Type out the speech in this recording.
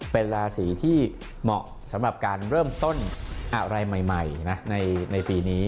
เป็นราศีที่เหมาะสำหรับการเริ่มต้นอะไรใหม่ในปีนี้